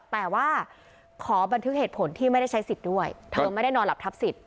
แต่ว่าขอบันทึกเหตุผลที่ไม่ได้ใช้สิทธิ์ด้วยเธอไม่ได้นอนหลับทับสิทธ